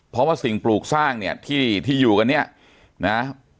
เพราะว่าสิ่งปลูกสร้างเนี่ยที่ที่อยู่กันเนี่ยนะ